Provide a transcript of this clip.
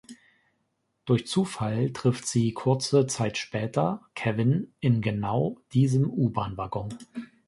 Durch Zufall trifft sie kurze Zeit später Kevin in genau diesem U-Bahn-Waggon.